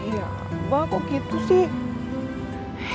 ya abah kok gitu sih